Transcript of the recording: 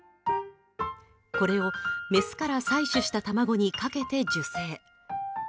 これをメスから採取した卵にかけて受精。